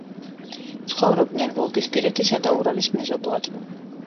ცხოვრობდნენ ვოლგისპირეთის და ურალის მეზობლად.